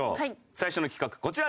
最初の企画こちらです。